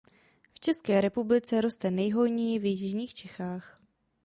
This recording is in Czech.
V České republice roste nejhojněji v jižních Čechách.